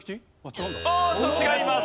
おーっと違います。